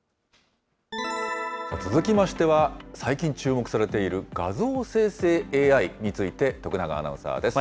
続きましては、最近注目されている画像生成ＡＩについて、徳永アナウンサーです。